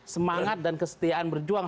semangat dan kesetiaan berjuang